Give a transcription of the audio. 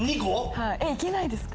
行けないですか？